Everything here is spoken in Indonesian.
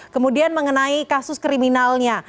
kemudian mengenai kasus kriminalnya